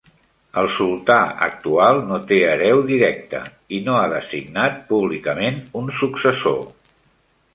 El Sultan actual no te hereu directe, i no ha designat públicament un successor.